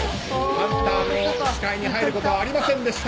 ハンターの視界に入ることはありませんでした。